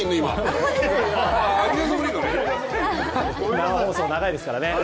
生放送、長いですからね。